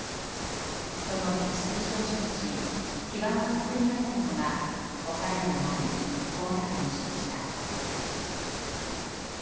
その道筋を示し基盤を作り上げたのが他でもない江沢民氏でした。